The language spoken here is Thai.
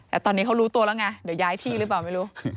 แต่ตอนนี้เขารู้ตัวแล้วไงเดี๋ยวย้ายที่หรือเปล่าไม่รู้